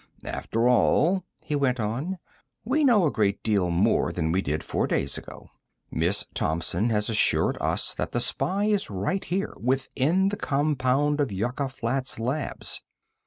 "After all," he went on, "we know a great deal more than we did four days ago. Miss Thompson has assured us that the spy is right here, within the compound of Yucca Flats Labs.